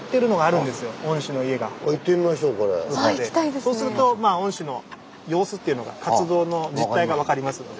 そうすると御師の様子というのが活動の実態が分かりますので。